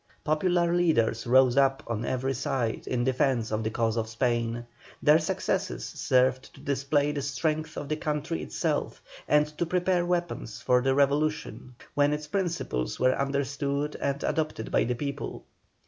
Popular leaders rose up on every side in defence of the cause of Spain; their successes served to display the strength of the country itself, and to prepare weapons for the revolution when its principles were understood and adopted by the people.